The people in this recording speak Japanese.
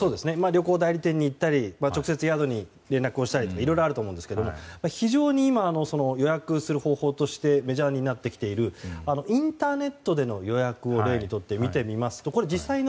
旅行代理店に行ったり直接、宿に連絡したりといろいろあると思うんですが非常に今、予約する方法としてメジャーになってきているインターネットでの予約を例にとって見てみます。